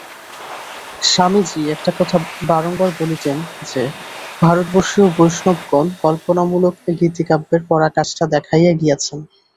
স্বামীজী একটা কথা বারংবার বলিতেন যে, ভারতবর্ষীয় বৈষ্ণবগণ কল্পনামূলক গীতিকাব্যের পরাকাষ্ঠা দেখাইয়া গিয়াছেন।